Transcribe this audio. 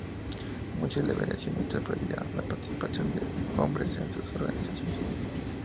Muchas liberacionistas prohibieron la participación de hombres en sus organizaciones.